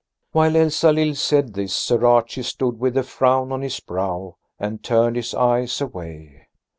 While Elsalill said this Sir Archie stood with a frown on his brow and turned his eyes away.